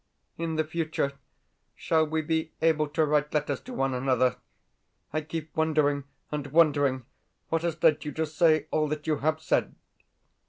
In the future shall we be able to write letters to one another? I keep wondering and wondering what has led you to say all that you have said.